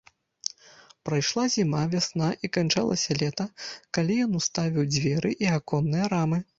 Прайшла зіма, вясна, і канчалася лета, калі ён уставіў дзверы і аконныя рамы.